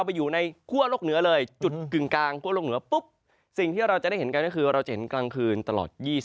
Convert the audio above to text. เดี๋ยวส่งคุณซึภัษระไปเดือนธนวาคมนี้